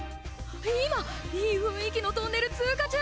今いい雰囲気のトンネル通過中！